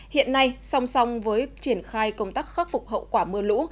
hiện nay song song với triển khai công tác khắc phục hậu quả mưa lũ